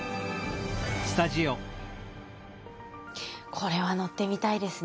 これは乗ってみたいですね。